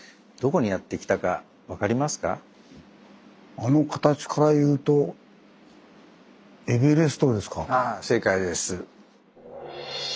あの形からいうとあ正解です。